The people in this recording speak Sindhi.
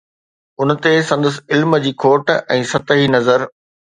ان تي سندس علم جي کوٽ ۽ سطحي نظر.